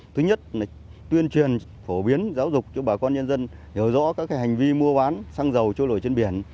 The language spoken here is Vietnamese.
thứ nhất là tuyên truyền phổ biến giáo dục cho bà con nhân dân hiểu rõ các hành vi mua bán xăng dầu trôi nổi trên biển